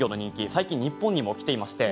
最近、日本にもきていまして